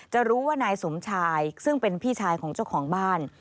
จะรู้ว่านายสมชายซึ่งเป็นพี่ชายของเจ้าของบ้าน